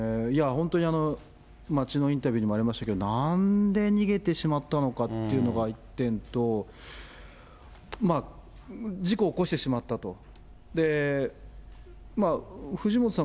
本当に、街のインタビューにもありましたけど、なんで逃げてしまったのかっていうのが１点と、事故を起こしてしまったと、藤本さん